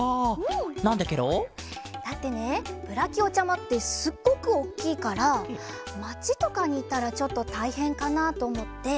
なんでケロ？だってねブラキオちゃまってすっごくおっきいからまちとかにいたらちょっとたいへんかなとおもって